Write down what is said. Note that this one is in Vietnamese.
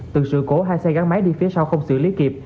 từ sự cố hai xe gắn máy đi phía sau không xử lý kịp